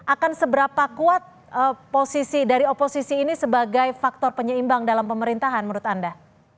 akan seberapa kuat posisi dari oposisi ini sebagai faktor penyeimbang dalam pemerintahan menurut anda